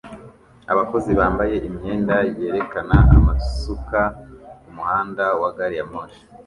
Abakozi bambaye imyenda yerekana amasuka kumuhanda wa gari ya moshi